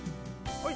はい。